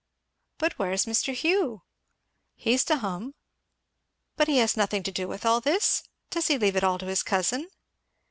"But where is Mr. Hugh?" "He's to hum." "But has he nothing to do with all this? does he leave it all to his cousin?"